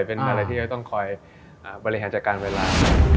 เป็นอะไรที่จะต้องคอยบริหารจัดการเวลา